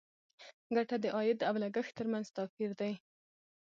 ګټه د عاید او لګښت تر منځ توپیر دی.